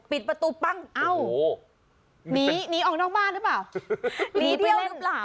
ปิดประตูปั้งเอ้าหนีหนีออกนอกบ้านหรือเปล่าหนีเที่ยวได้หรือเปล่า